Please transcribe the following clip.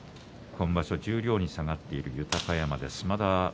今場所は十両に下がっている豊山です。